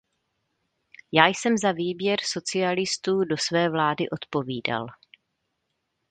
Já jsem za výběr socialistů do své vlády odpovídal.